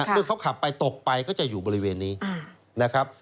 เมื่อเขาขับไปตกไปเขาจะอยู่บริเวณนี้นะครับ